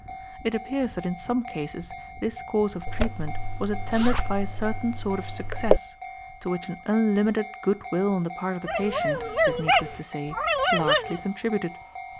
It appears that in some cases this course of treatment was attended by a certain sort of success, to which an unlimited good will on the part of the patient, it is needless to say, largely contributed.